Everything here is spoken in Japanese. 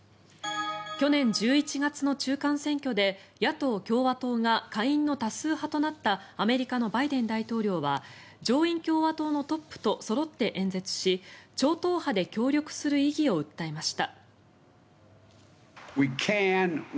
去年１１月の中間選挙で野党・共和党が下院の多数派となったアメリカのバイデン大統領は上院共和党のトップとそろって演説し超党派で協力する意義を訴えました。